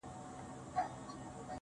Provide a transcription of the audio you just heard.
د ستني سر چــي د ملا له دره ولـويـــږي.